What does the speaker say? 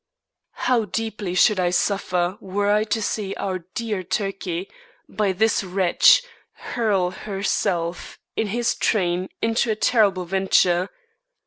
How deeply should I suffer were I to see our dear Turkey, by this wretch, hurl herself in his train into a terrible venture.